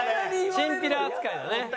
チンピラ扱いだね。